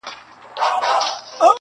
• د زمري تر خولې را ووتل آهونه -